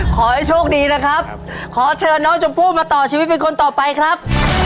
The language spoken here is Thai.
ขอให้โชคดีนะครับขอเชิญน้องชมพู่มาต่อชีวิตเป็นคนต่อไปครับ